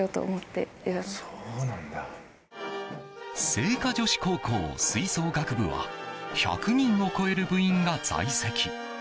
精華女子高校吹奏楽部は１００人を超える部員が在籍。